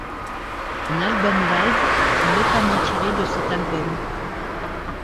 Un album live fut notamment tiré de cet album.